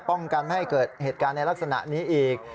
ป้องกันไม่ให้เกิดเหตุการณ์ในลักษณะนี้อีก